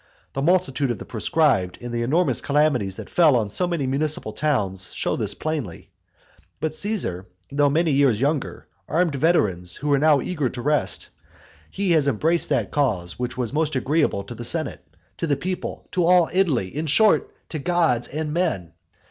The multitude of the proscribed, and the enormous calamities that fell on so many municipal towns, show this plainly. But Caesar, though many years younger, armed veterans who were now eager to rest; he has embraced that cause which was most agreeable to the senate, to the people, to all Italy, in short, to gods and men.